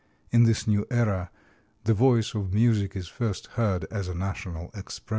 In this new era the voice of music is first heard as a national expression.